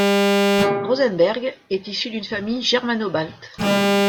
Rosenberg est issu d'une famille germano-balte.